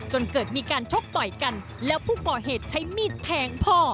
จนเกิดมีการชกต่อยกันแล้วผู้ก่อเหตุใช้มีดแทงพ่อ